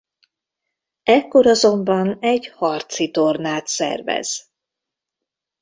Ekkor azonban egy harci tornát szervez.